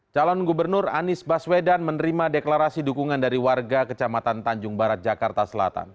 calon gubernur anies baswedan menerima deklarasi dukungan dari warga kecamatan tanjung barat jakarta selatan